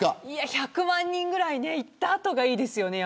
１００万人ぐらい行った後がいいですよね。